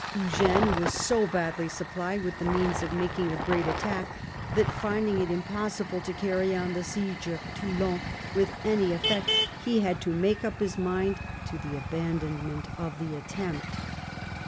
Eugene was so badly supplied with the means of making a great attack that, finding it impossible to carry on the siege of Toulon with any effect, he had to make up his mind to the abandonment of the attempt.